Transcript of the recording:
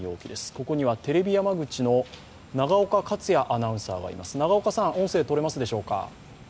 ここにはテレビ山口の永岡克也アナウンサーがいます。